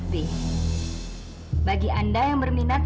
tapi para dasar suratnya cocok banget bukan